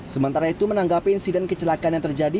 sementara itu menanggapi insiden kecelakaan yang terjadi